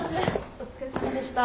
お疲れさまでした。